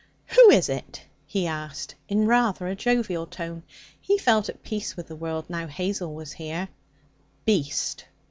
'Who is it?' he asked in rather a jovial tone. He felt at peace with the world now Hazel was here. 'Beast!'